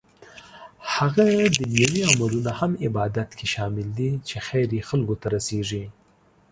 هغه دنيوي عملونه هم عبادت کې شامل دي چې خير يې خلکو ته رسيږي